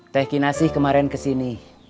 teh kinasi kemarin kesini